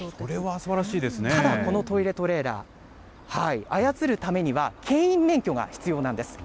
ただ、このトイレトレーラー、操るためには、けん引免許が必要なんです。